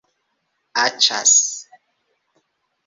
aĉas